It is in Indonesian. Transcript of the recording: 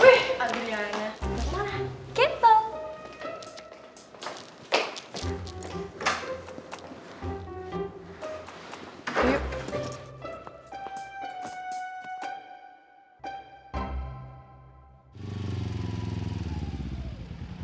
wih aduh liarnya